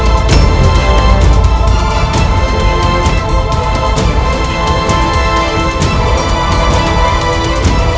aku adalah kuranda geni